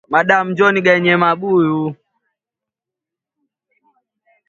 Wanyama wachanga huathirika zaidi kuliko wanyama wakubwa